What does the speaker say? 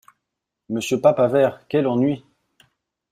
Monsieur Papavert ! quel ennui !